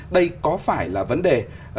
đây có phải là vấn đề